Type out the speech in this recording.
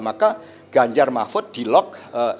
maka ganjar mahfud di lock tujuh belas